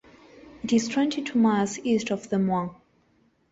It is twenty-two miles east of Des Moines.